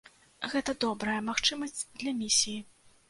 Гэта добрая магчымасць для місіі.